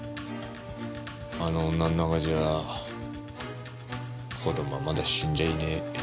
あの女の中じゃ子供はまだ死んじゃいねえ。